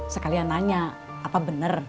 sekalian nanya apa bener